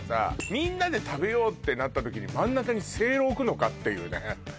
みんなで食べようってなった時に真ん中にせいろ置くのかっていうね